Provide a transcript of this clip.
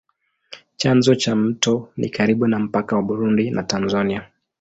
Chanzo cha mto ni karibu na mpaka wa Burundi na Tanzania.